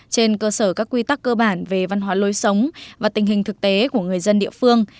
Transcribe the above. trên cơ sở các quy tắc cơ bản về văn hóa lối sống và tình hình thực tế của người dân địa phương